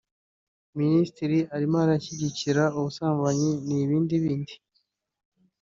minisitiri arimo arashyigikira ubusambanyi n’ibindi n’ibindi